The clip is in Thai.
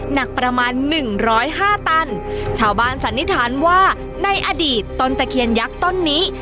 หนักประมาณหนึ่งร้อยห้าตันชาวบ้านสันนิษฐานว่าในอดีตต้นตะเคียนยักษ์ต้นนี้